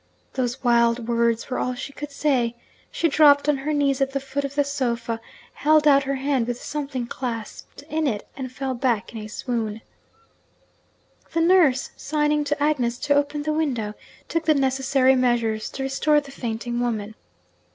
Those wild words were all she could say. She dropped on her knees at the foot of the sofa held out her hand with something clasped in it and fell back in a swoon. The nurse, signing to Agnes to open the window, took the necessary measures to restore the fainting woman.